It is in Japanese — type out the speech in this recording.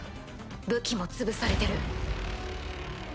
武器も潰されてる。